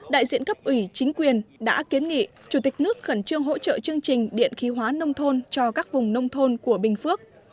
đại diện cấp ủy chính quyền đã kiến nghị chủ tịch nước khẩn trương hỗ trợ chương trình điện khí hóa nông thôn cho các vùng nông thôn của bình phước